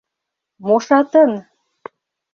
Мо шатын?